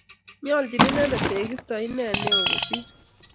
Nyoljin inendet teegesto ine neo kosir